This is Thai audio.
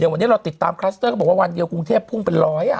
วันนี้เราติดตามคลัสเตอร์ก็บอกว่าวันเดียวกรุงเทพพุ่งเป็นร้อย